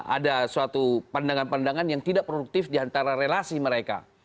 ada suatu pandangan pandangan yang tidak produktif diantara relasi mereka